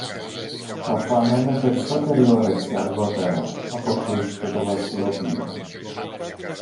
Θα φάμε με περισσότερη όρεξη αργότερα, αποκρίθηκε το Βασιλόπουλο.